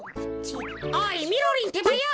おいみろりんってばよ！